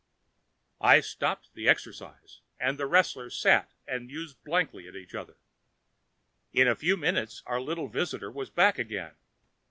I stopped the exercise and the wrestlers sat and mused blankly at each other. In a few minutes, our little visitor was back again.